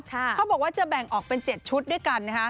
เขาบอกว่าจะแบ่งออกเป็น๗ชุดด้วยกันนะฮะ